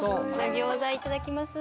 餃子いただきます。